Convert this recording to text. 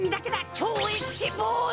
超Ｈボーイ！